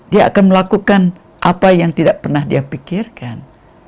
dia akan melakukan apa yang tidak pernah dia pikirkan